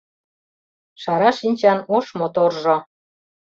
Шара шинчан ош моторжо